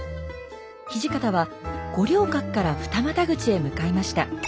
土方は五稜郭から二股口へ向かいました。